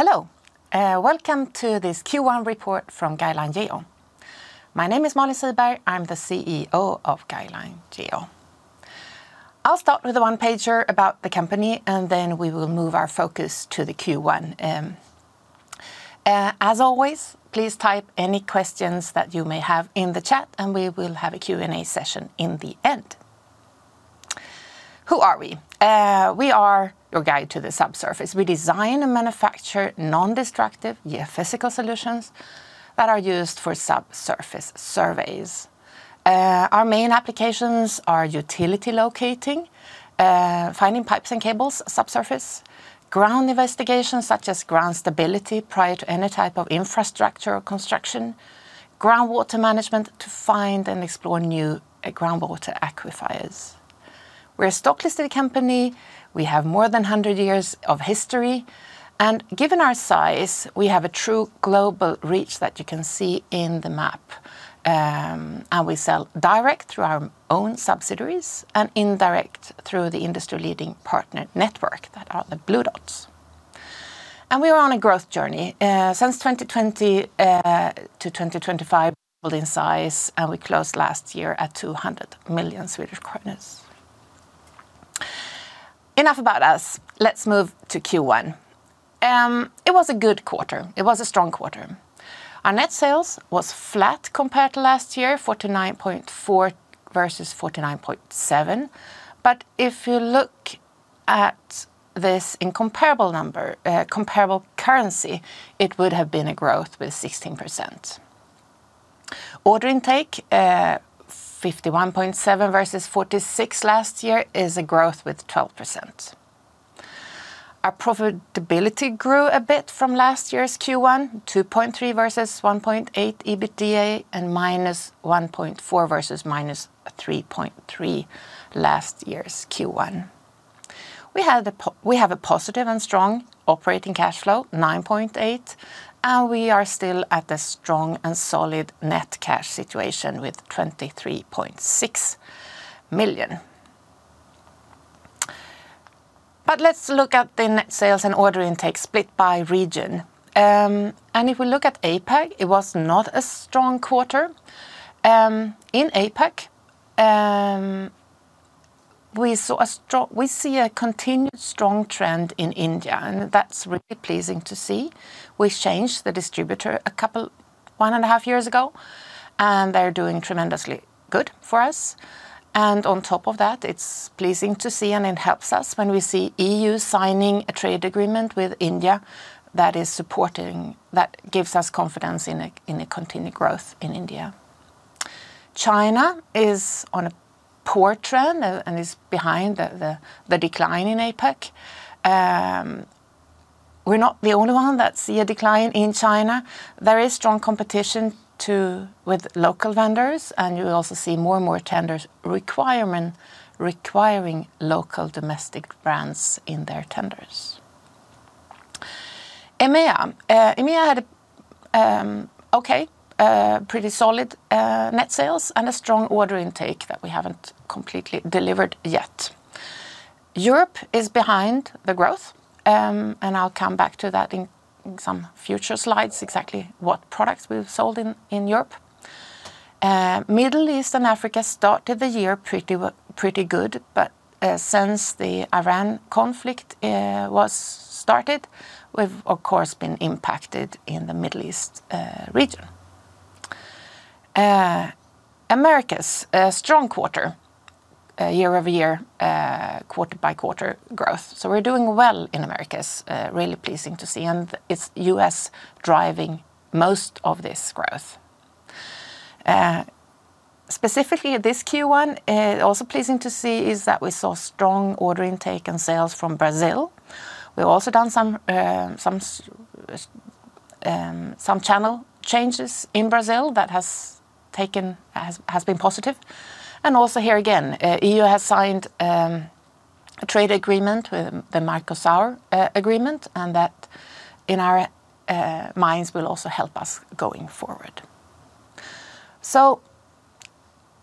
Hello, welcome to this Q1 report from Guideline Geo. My name is Malin Siberg. I'm the CEO of Guideline Geo. I'll start with a one-pager about the company, and then we will move our focus to the Q1. As always, please type any questions that you may have in the chat, and we will have a Q&A session in the end. Who are we? We are your guide to the subsurface. We design and manufacture non-destructive geophysical solutions that are used for subsurface surveys. Our main applications are utility locating, finding pipes and cables subsurface, ground investigations such as ground stability, prior to any type of infrastructure or construction, groundwater management to find and explore new groundwater aquifers. We're a stock listed company. We have more than 100 years of history, and given our size, we have a true global reach that you can see in the map. We sell direct through our own subsidiaries and indirect through the industry leading partner network that are the blue dots. We are on a growth journey. Since 2020 to 2025, building size, and we closed last year at 200 million Swedish kronor. Enough about us. Let's move to Q1. It was a good quarter. It was a strong quarter. Our net sales was flat compared to last year, 49.4 million versus 49.7 million, but if you look at this in comparable currency, it would have been a growth with 16%. Order intake, 51.7 million versus 46 million last year is a growth with 12%. Our profitability grew a bit from last year's Q1, 2.3 million versus 1.8 million EBITDA, and -1.4 million versus -3.3 million last year's Q1. We have a positive and strong operating cash flow, 9.8 million, and we are still at a strong and solid net cash situation with 23.6 million. Let's look at the net sales and order intake split by region. If we look at APAC, it was not a strong quarter. In APAC, we see a continued strong trend in India, and that's really pleasing to see. We changed the distributor one and a half years ago, and they're doing tremendously good for us. On top of that, it's pleasing to see, and it helps us when we see EU signing a trade agreement with India that gives us confidence in a continued growth in India. China is on a poor trend and is behind the decline in APAC. We're not the only one that see a decline in China. There is strong competition with local vendors, and you also see more and more tenders requiring local domestic brands in their tenders. EMEA. EMEA had a pretty solid net sales and a strong order intake that we haven't completely delivered yet. Europe is behind the growth, and I'll come back to that in some future slides, exactly what products we've sold in Europe. Middle East and Africa started the year pretty good, but since the Iran conflict was started, we've, of course, been impacted in the Middle East region. Americas, a strong quarter, year-over-year, quarter-over-quarter growth. We're doing well in Americas, really pleasing to see, and it's U.S. driving most of this growth. Specifically this Q1, also pleasing to see is that we saw strong order intake and sales from Brazil. We've also done some channel changes in Brazil that has been positive. Also here again, EU has signed a trade agreement with the Mercosur agreement, and that, in our minds, will also help us going forward.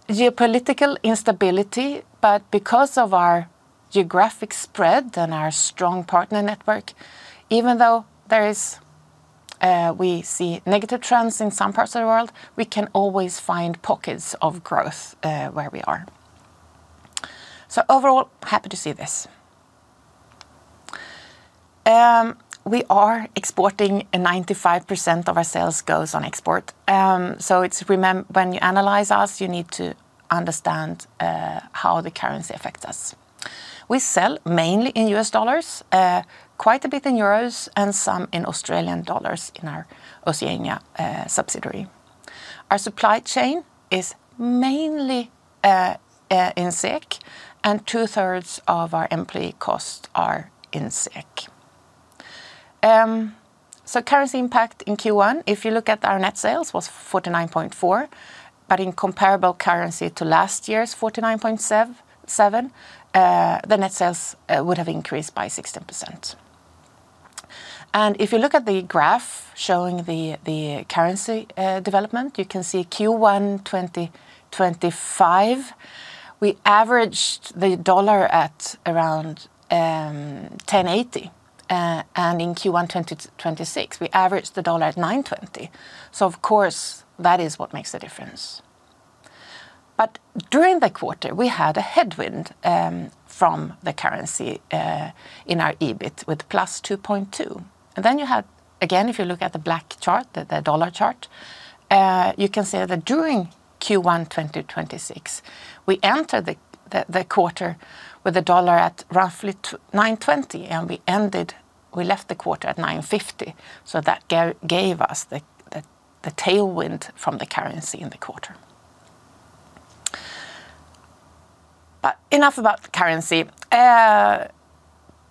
Geopolitical instability, but because of our geographic spread and our strong partner network, even though we see negative trends in some parts of the world, we can always find pockets of growth where we are. Overall, happy to see this. We are exporting, and 95% of our sales goes on export. When you analyze us, you need to understand how the currency affects us. We sell mainly in U.S. dollars, quite a bit in Euros, and some in Australian dollars in our Oceania subsidiary. Our supply chain is mainly in SEK, and two-thirds of our employee costs are in SEK. Currency impact in Q1, if you look at our net sales, was 49.4 million, but in comparable currency to last year's 49.7 million, the net sales would have increased by 16%. If you look at the graph showing the currency development, you can see Q1 2025, we averaged the dollar at around 10.80. In Q1 2026, we averaged the dollar at 9.20. Of course, that is what makes a difference. During the quarter, we had a headwind from the currency in our EBIT with +2.2. You had, again, if you look at the black chart, the dollar chart, you can see that during Q1 2026, we entered the quarter with the dollar at roughly 9.20, and we left the quarter at 9.50. That gave us the tailwind from the currency in the quarter. Enough about the currency.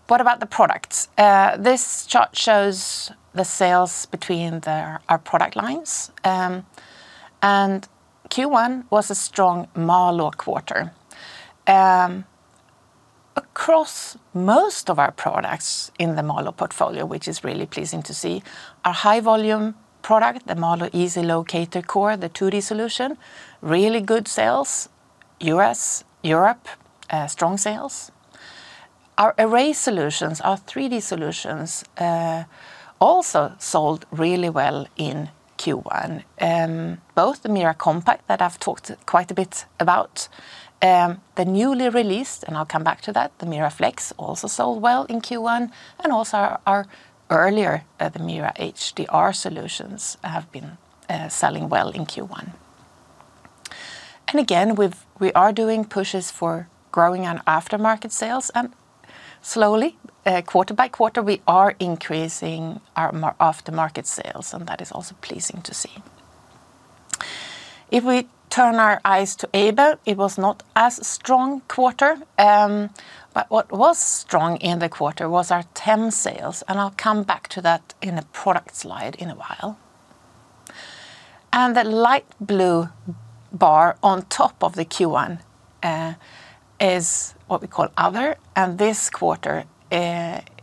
What about the products? This chart shows the sales between our product lines. Q1 was a strong MALÅ quarter. Across most of our products in the MALÅ portfolio, which is really pleasing to see, our high volume product, the MALÅ Easy Locator Core, the 2D solution, really good sales. U.S., Europe, strong sales. Our Array solutions, our 3D solutions, also sold really well in Q1. Both the MALÅ MIRA Compact that I've talked quite a bit about, the newly released, and I'll come back to that, the MALÅ MIRA Flex also sold well in Q1, and also our earlier, the MALÅ MIRA HDR solutions, have been selling well in Q1. Again, we are doing pushes for growing on after market sales, and slowly, quarter by quarter, we are increasing our after market sales, and that is also pleasing to see. If we turn our eyes to ABEM, it was not as strong a quarter. What was strong in the quarter was our TEM sales, and I'll come back to that in a product slide in a while. The light blue bar on top of the Q1 is what we call other, and this quarter,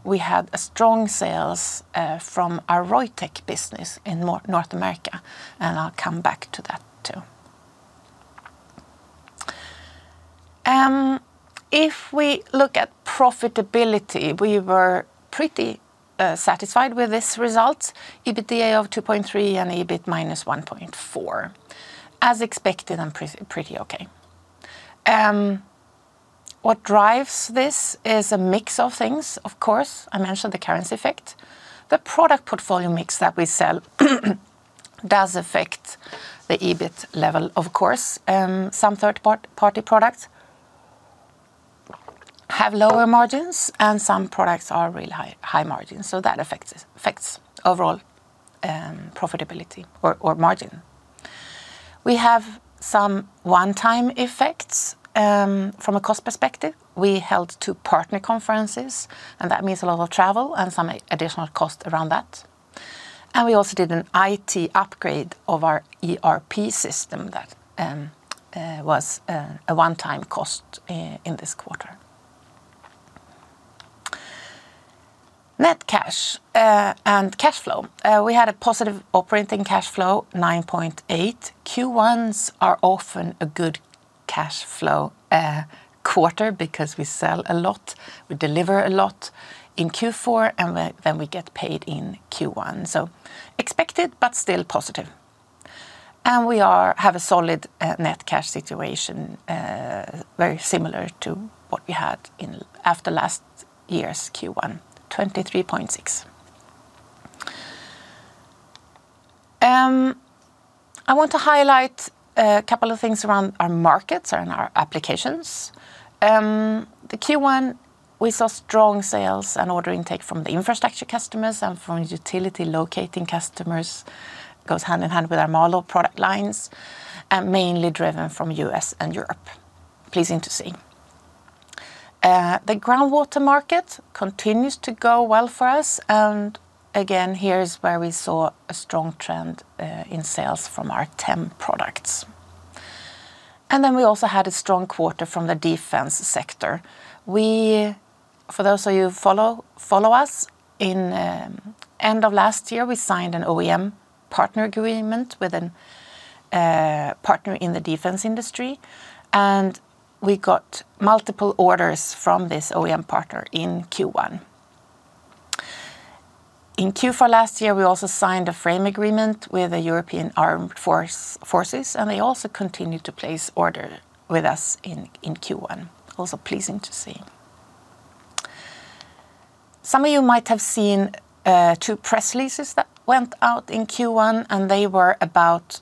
we had strong sales from our Reutech business in North America, and I'll come back to that, too. If we look at profitability, we were pretty satisfied with this result. EBITDA of 2.3 million and EBIT of -1.4 million. As expected and pretty okay. What drives this is a mix of things, of course. I mentioned the currency effect. The product portfolio mix that we sell does affect the EBIT level, of course. Some third-party products have lower margins, and some products are really high margin. That affects overall profitability or margin. We have some one-time effects, from a cost perspective. We held two partner conferences, and that means a lot of travel and some additional cost around that. We also did an IT upgrade of our ERP system that was a one-time cost in this quarter. Net cash and cash flow. We had a positive operating cash flow, 9.8 million. Q1s are often a good cash flow quarter because we sell a lot, we deliver a lot in Q4, and then we get paid in Q1. Expected, but still positive. We have a solid net cash situation, very similar to what we had after last year's Q1, 23.6 million. I want to highlight a couple of things around our markets and our applications. In Q1, we saw strong sales and order intake from the Infrastructure customers and from Utility Locating customers, goes hand in hand with our MALÅ product lines, and mainly driven from U.S. and Europe. Pleasing to see. The Groundwater market continues to go well for us, and again, here is where we saw a strong trend in sales from our TEM products. Then we also had a strong quarter from the Defense sector. For those of you who follow us, at the end of last year, we signed an OEM partner agreement with a partner in the Defense Industry, and we got multiple orders from this OEM partner in Q1. In Q4 last year, we also signed a framework agreement with the European armed forces, and they also continued to place order with us in Q1. Also pleasing to see. Some of you might have seen two press releases that went out in Q1, and they were about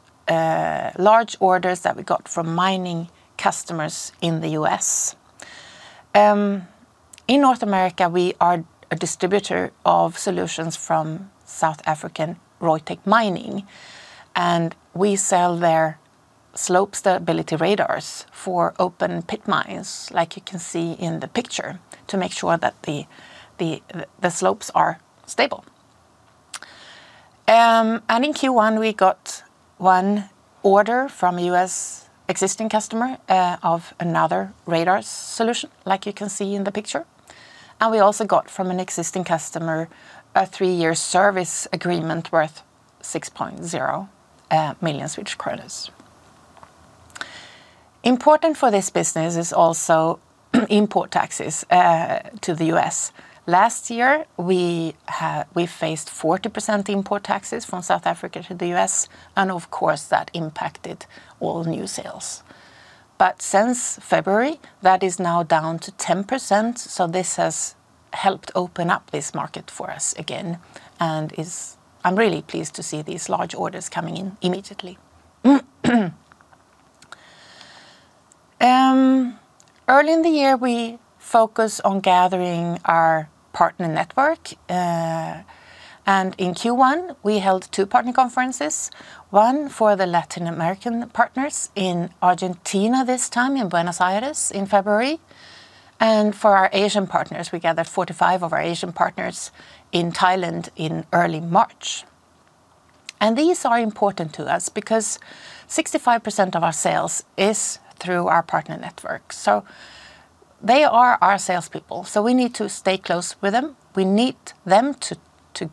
large orders that we got from mining customers in the U.S. In North America, we are a distributor of solutions from South African Reutech Mining, and we sell their slope stability radars for open pit mines, like you can see in the picture, to make sure that the slopes are stable. In Q1, we got one order from a U.S. existing customer, of another radar solution, like you can see in the picture. We also got from an existing customer, a three-year service agreement worth 6.0 million Swedish kronor. Important for this business is also import taxes to the U.S. Last year, we faced 40% import taxes from South Africa to the U.S. and of course that impacted all new sales. Since February, that is now down to 10%, so this has helped open up this market for us again and I'm really pleased to see these large orders coming in immediately. Early in the year, we focus on gathering our partner network. In Q1, we held 2 partner conferences, one for the Latin American partners in Argentina this time in Buenos Aires in February. For our Asian partners, we gathered 45 of our Asian partners in Thailand in early March. These are important to us because 65% of our sales is through our partner network. They are our salespeople, so we need to stay close with them. We need them to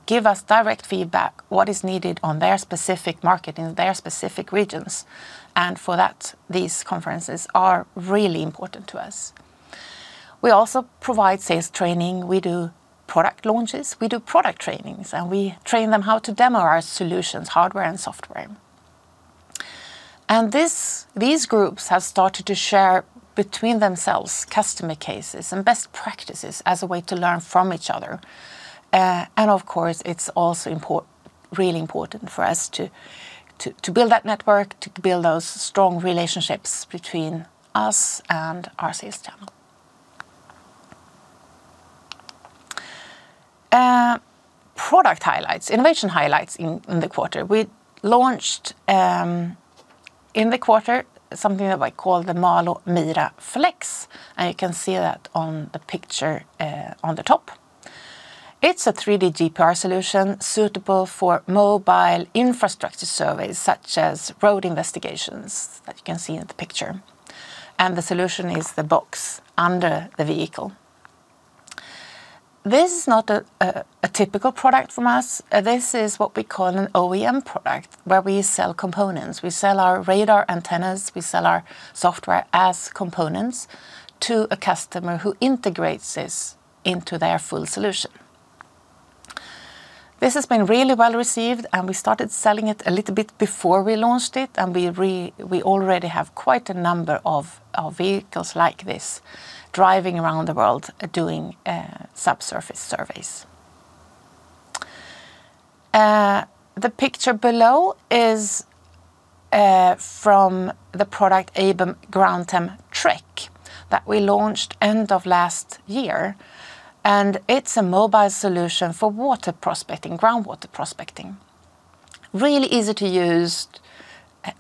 give us direct feedback what is needed on their specific market, in their specific regions. For that, these conferences are really important to us. We also provide sales training. We do product launches. We do product trainings, and we train them how to demo our solutions, hardware and software. These groups have started to share between themselves customer cases and best practices as a way to learn from each other. Of course, it's also really important for us to build that network, to build those strong relationships between us and our sales channel. Product highlights, innovation highlights in the quarter. We launched, in the quarter, something that I call the MALÅ MIRA Flex, and you can see that on the picture on the top. It's a 3D GPR solution suitable for mobile infrastructure surveys, such as road investigations that you can see in the picture. The solution is the box under the vehicle. This is not a typical product from us. This is what we call an OEM product, where we sell components. We sell our radar antennas, we sell our software as components to a customer who integrates this into their full solution. This has been really well received, and we started selling it a little bit before we launched it, and we already have quite a number of vehicles like this driving around the world doing subsurface surveys. The picture below is from the product ABEM GroundTEM Trek that we launched end of last year, and it's a mobile solution for water prospecting, groundwater prospecting, really easy to use,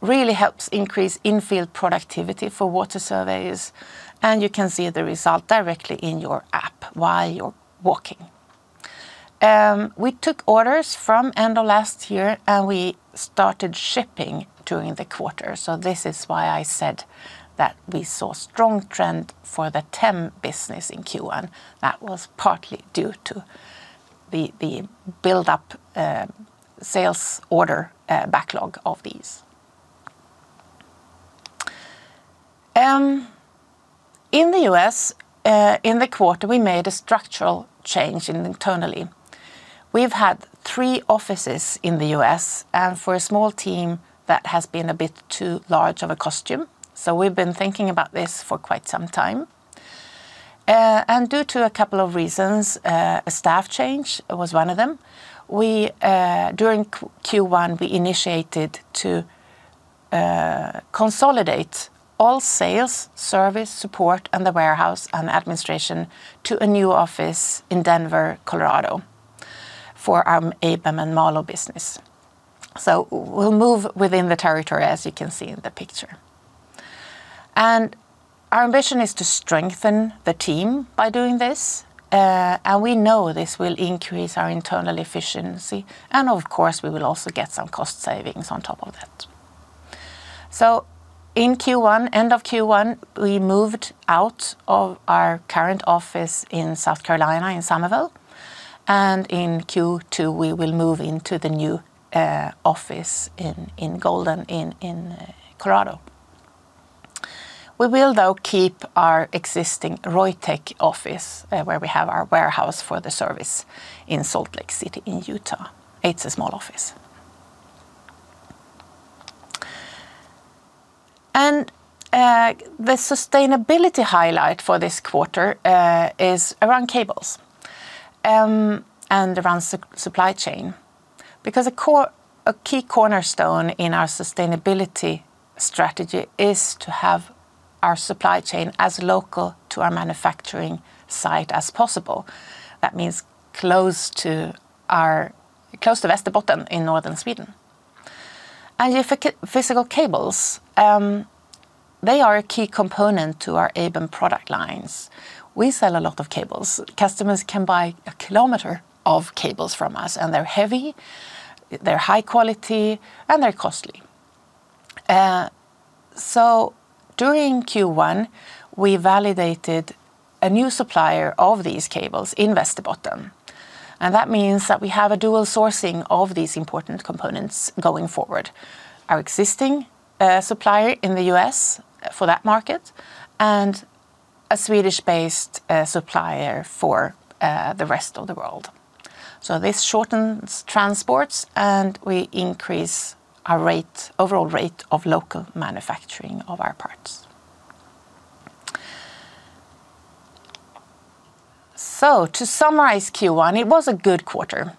really helps increase in-field productivity for water surveys, and you can see the result directly in your app while you're walking. We took orders from end of last year, and we started shipping during the quarter. This is why I said that we saw strong trend for the TEM business in Q1. That was partly due to the build-up sales order backlog of these. In the U.S., in the quarter, we made a structural change internally. We've had three offices in the U.S., and for a small team, that has been a bit too large of a cost to us. We've been thinking about this for quite some time. Due to a couple of reasons, a staff change was one of them, during Q1, we initiated to consolidate all sales, service, support, and the warehouse and administration to a new office in Denver, Colorado for our ABEM and MALÅ business. We'll move within the territory, as you can see in the picture. Our ambition is to strengthen the team by doing this. We know this will increase our internal efficiency and, of course, we will also get some cost savings on top of that. In Q1, end of Q1, we moved out of our current office in Summerville, South Carolina. In Q2, we will move into the new office in Golden in Colorado. We will, though, keep our existing Reutech office where we have our warehouse for the service in Salt Lake City in Utah. It's a small office. The sustainability highlight for this quarter is around cables and around supply chain. Because a key cornerstone in our sustainability strategy is to have our supply chain as local to our manufacturing site as possible. That means close to Västerbotten in northern Sweden. Geophysical cables, they are a key component to our ABEM product lines. We sell a lot of cables. Customers can buy a kilometer of cables from us, and they're heavy, they're high quality, and they're costly. During Q1, we validated a new supplier of these cables in Västerbotten. That means that we have a dual sourcing of these important components going forward. Our existing supplier in the U.S. for that market, and a Swedish-based supplier for the rest of the world. This shortens transports, and we increase our overall rate of local manufacturing of our parts. To summarize Q1, it was a good quarter.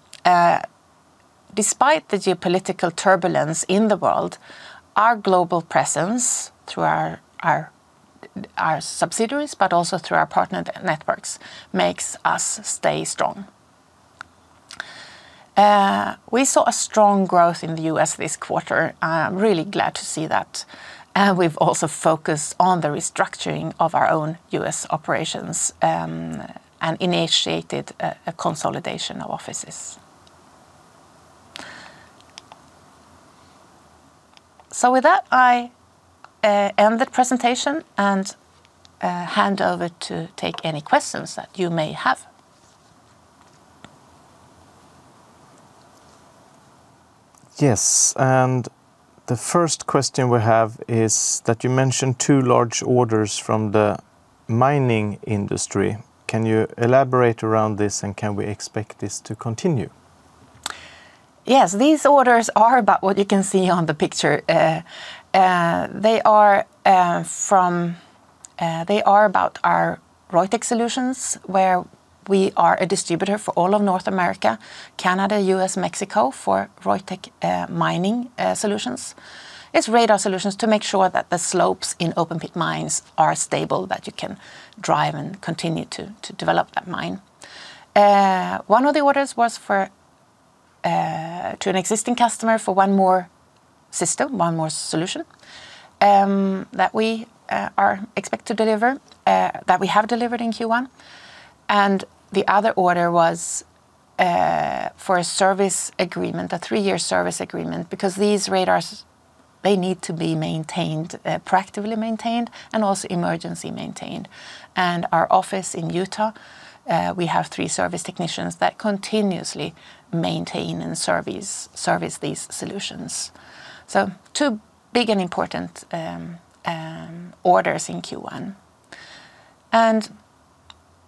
Despite the geopolitical turbulence in the world, our global presence through our subsidiaries, but also through our partner networks, makes us stay strong. We saw a strong growth in the U.S. this quarter. I'm really glad to see that. We've also focused on the restructuring of our own U.S. operations, and initiated a consolidation of offices. With that, I end the presentation and hand over to take any questions that you may have. Yes. The first question we have is that you mentioned two large orders from the mining industry. Can you elaborate around this, and can we expect this to continue? Yes. These orders are about what you can see on the picture. They are about our Reutech solutions, where we are a distributor for all of North America, Canada, U.S., Mexico, for Reutech Mining solutions. It's radar solutions to make sure that the slopes in open pit mines are stable, that you can drive and continue to develop that mine. One of the orders was to an existing customer for one more system, one more solution, that we expect to deliver, that we have delivered in Q1. The other order was for a service agreement, a three-year service agreement, because these radars, they need to be proactively maintained and also emergency maintained. Our office in Utah, we have three service technicians that continuously maintain and service these solutions. Two big and important orders in Q1.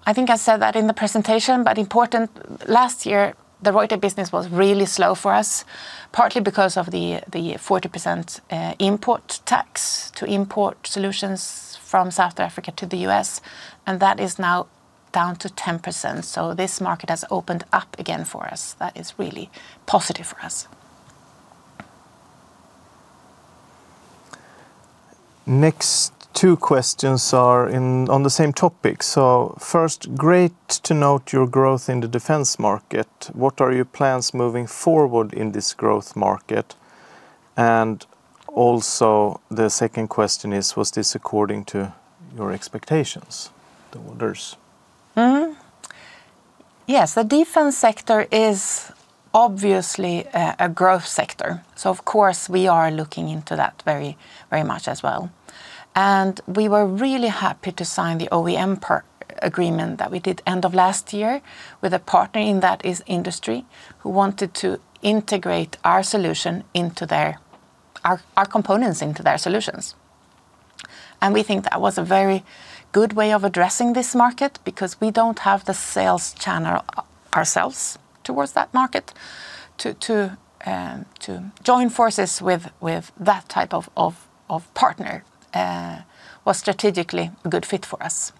I think I said that in the presentation, but important, last year, the Reutech business was really slow for us, partly because of the 40% import tax to import solutions from South Africa to the U.S., and that is now down to 10%, so this market has opened up again for us. That is really positive for us. Next two questions are on the same topic. First, great to note your growth in the defense market. What are your plans moving forward in this growth market? The second question is, was this according to your expectations, the orders? Yes, the Defense sector is obviously a growth sector, so of course, we are looking into that very much as well. We were really happy to sign the OEM agreement that we did end of last year with a partner in that industry who wanted to integrate our components into their solutions. We think that was a very good way of addressing this market because we don't have the sales channel ourselves towards that market. To join forces with that type of partner was strategically a good fit for us.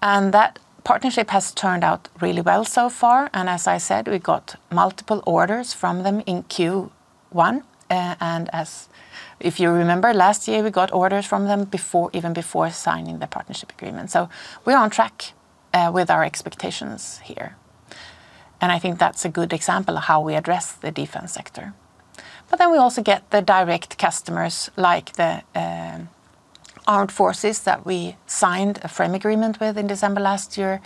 That partnership has turned out really well so far. As I said, we got multiple orders from them in Q1. If you remember last year, we got orders from them even before signing the partnership agreement. We are on track with our expectations here. I think that's a good example of how we address the Defense sector. We also get the direct customers, like the armed forces that we signed a framework agreement with in December last year.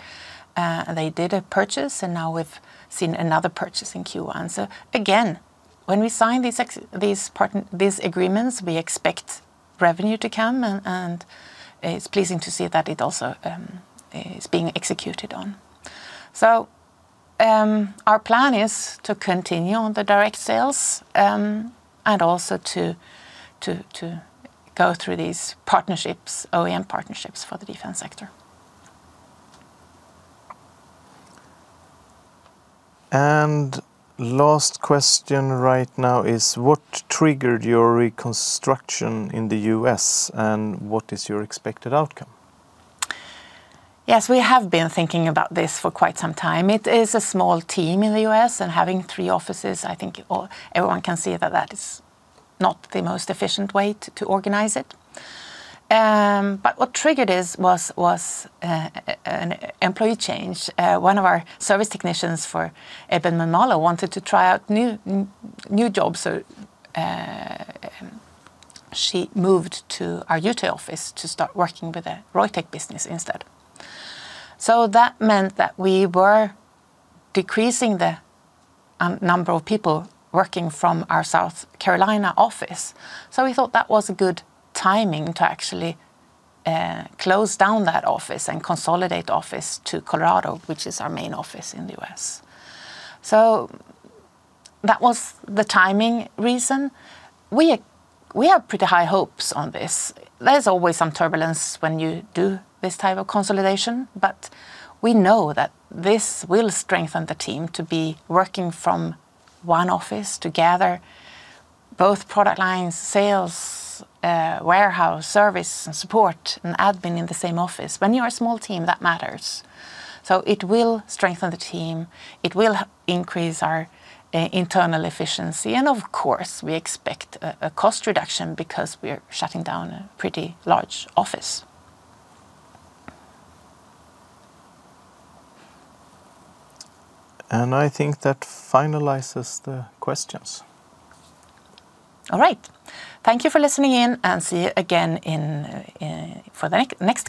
They did a purchase, and now we've seen another purchase in Q1. Again, when we sign these agreements, we expect revenue to come, and it's pleasing to see that it also is being executed on. Our plan is to continue on the direct sales, and also to go through these OEM partnerships for the Defense sector. Last question right now is what triggered your reconstruction in the U.S., and what is your expected outcome? Yes, we have been thinking about this for quite some time. It is a small team in the U.S., and having three offices, I think everyone can see that that is not the most efficient way to organize it. What triggered it was an employee change. One of our service technicians for ABEM MALÅ wanted to try out new jobs. She moved to our Utah office to start working with the Reutech business instead. That meant that we were decreasing the number of people working from our South Carolina office. We thought that was a good timing to actually close down that office and consolidate office to Colorado, which is our main office in the U.S. That was the timing reason. We have pretty high hopes on this. There's always some turbulence when you do this type of consolidation, but we know that this will strengthen the team to be working from one office together, both product lines, sales, warehouse, service, and support, and admin in the same office. When you're a small team, that matters. It will strengthen the team. It will increase our internal efficiency. Of course, we expect a cost reduction because we're shutting down a pretty large office. I think that finalizes the questions. All right. Thank you for listening in, and see you again for the next que-